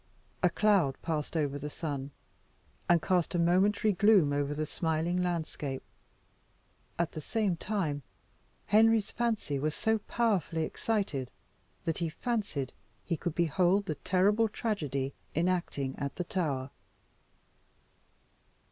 A cloud passed over the sun, and cast a momentary gloom over the smiling landscape. At the same time Henry's fancy was so powerfully excited, that he fancied he could behold the terrible tragedy enacting at the Tower.